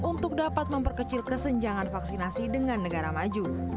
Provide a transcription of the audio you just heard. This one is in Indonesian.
untuk dapat memperkecil kesenjangan vaksinasi dengan negara maju